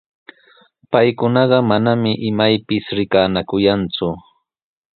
Paykunaqa manami imaypis rikanakuyanku,